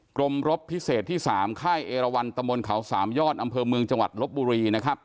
รมรบพิเศษที่๓ค่ายเอราวันตะมนต์เขาสามยอดอำเภอเมืองจังหวัดลบบุรีนะครับ